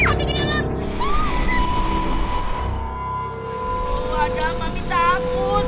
aduh mami takut